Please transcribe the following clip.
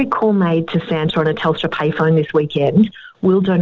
karena kita tahu ini adalah tahun yang sangat sukar untuk banyak orang